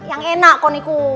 yang enak koniku